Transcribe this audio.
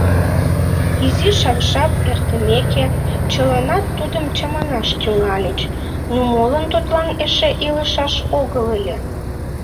Изишак жап эртымеке, чыланат тудым чаманаш тӱҥальыч: ну молан тудлан эше илышаш огыл ыле?